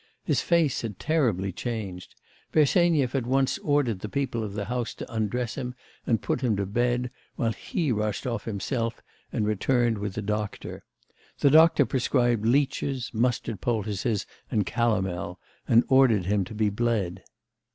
His face was terribly changed. Bersenyev at once ordered the people of the house to undress him and put him to bed, while he rushed off himself and returned with a doctor. The doctor prescribed leeches, mustard poultices, and calomel, and ordered him to be bled.